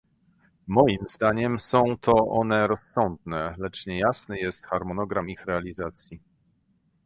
Moim zdaniem są to one rozsądne, lecz niejasny jest harmonogram ich realizacji